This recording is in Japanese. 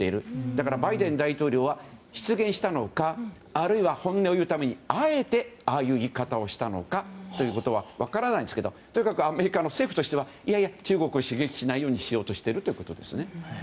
だから、バイデン大統領は失言したのかあるいは本音を言うためにあえてああいう言い方をしたのか分からないですけどとにかくアメリカ政府としては中国を刺激しないようにしているということですね。